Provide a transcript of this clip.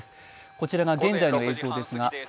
こちらが現在の様子です。